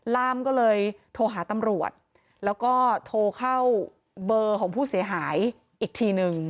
ล่ามก็เลยโทรหาตำรวจแล้วก็โทรเข้าเบอร์ของผู้เสียหายอีกทีนึง